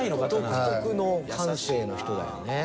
独特の感性の人だよね。